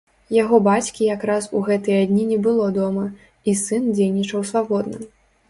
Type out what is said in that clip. Яго бацькі якраз у гэтыя дні не было дома, і сын дзейнічаў свабодна.